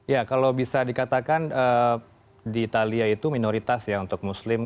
ya kalau bisa dikatakan di italia itu minoritas ya untuk muslim